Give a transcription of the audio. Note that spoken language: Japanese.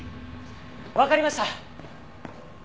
わかりました！